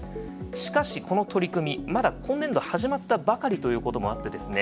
しかしこの取り組みまだ今年度始まったばかりということもあってですね